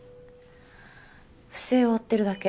不正を追ってるだけ。